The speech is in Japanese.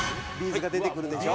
’ｚが出てくるでしょ？